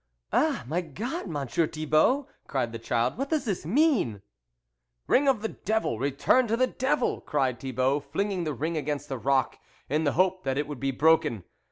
" Ah ! my God, Monsieur Thibault" cried the child " what does this mean ?"" Ring of the Devil, return to the Devil !" cried Thibault, flinging the ring against a rock, in the hope that it would be broken.